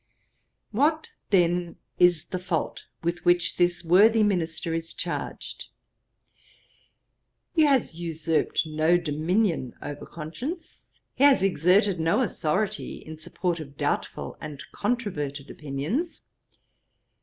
'What then is the fault with which this worthy minister is charged? He has usurped no dominion over conscience. He has exerted no authority in support of doubtful and controverted opinions.